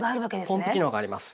ポンプ機能があります！